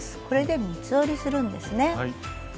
これで三つ折りするんですね。